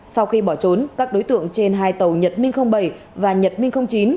sau khi bỏ trốn các đối tượng trên hai tàu nhật minh bảy và nhật minh chín